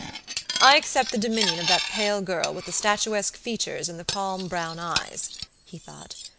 "I accept the dominion of that pale girl, with the statuesque features and the calm brown eyes," he thought.